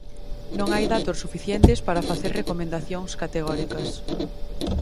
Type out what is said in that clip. Non hai datos suficientes para facer recomendacións categóricas.